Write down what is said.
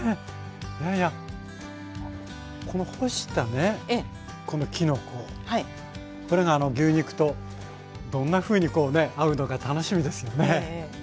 いやいやこの干したねこのきのここれが牛肉とどんなふうにこうね合うのか楽しみですよね。